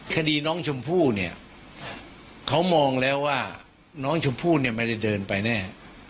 คดีน้องชมพู่เนี่ยเขามองแล้วว่าน้องชมพู่เนี่ยไม่ได้เดินไปแน่